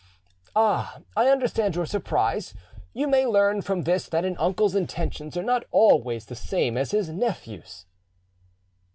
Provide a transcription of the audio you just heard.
"Ah, I understand your surprise: you may learn from this that an uncle's intentions are not always the same as his nephew's."